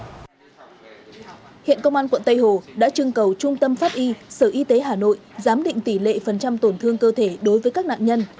hiện công an quận tây hồ đã trưng cầu trung tâm pháp y sở y tế hà nội giám định tỷ lệ phần trăm tổn thương cơ thể đối với các nạn nhân